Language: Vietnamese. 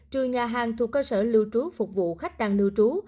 trừ nhà hàng thuộc cơ sở lưu trú phục vụ khách đang lưu trú